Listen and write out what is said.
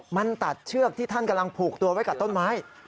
มันตัดเชือกที่ท่านกำลังผูกตัวไว้กับต้นไม้